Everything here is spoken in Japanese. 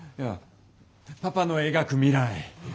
パパの描く未来